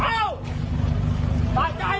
แม่ขี้หมาเนี่ยเธอดีเนี่ย